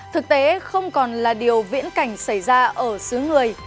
thực tế không còn là điều viễn cảnh xảy ra ở xứ người